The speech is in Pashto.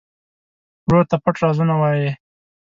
ورور ته پټ رازونه وایې.